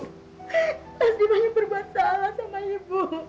lastri banyak berbuat salah sama ibu